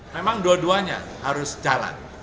memang dua duanya harus jalan